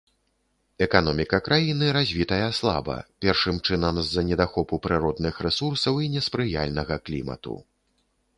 Эканоміка краіны развітая слаба, першым чынам, з-за недахопу прыродных рэсурсаў і неспрыяльнага клімату.